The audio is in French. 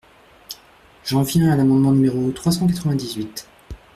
J’en viens à l’amendement numéro trois cent quatre-vingt-dix-huit.